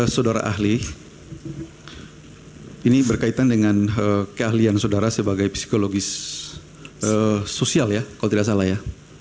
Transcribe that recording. saudara ahli ini berkaitan dengan keahlian saudara sebagai psikologis sosial ya kalau tidak salah ya